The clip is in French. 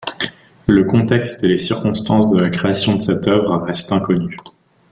Le contexte et les circonstances de la création de cette œuvre restent inconnus.